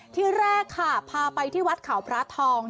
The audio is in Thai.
ที่แรกค่ะพาไปที่วัดเขาพระทอง